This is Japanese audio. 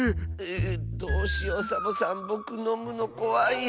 どうしようサボさんぼくのむのこわいよ。